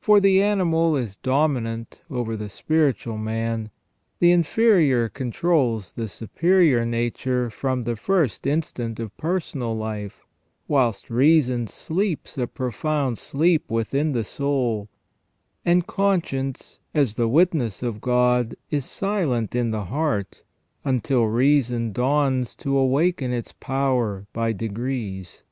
For the animal is dominant over the spiritual man, the inferior controls the superior nature from the first instant of personal life, whilst reason sleeps a profound sleep within the soul, and conscience, as the witness of God, is silent in the heart, until reason dawns to awaken its power by degrees.